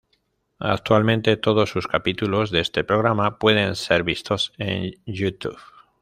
Actualmente todos sus capítulos de este programa pueden ser vistos en YouTube.